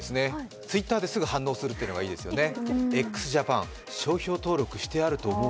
Ｔｗｉｔｔｅｒで、すぐ反応するというのがいいですよね。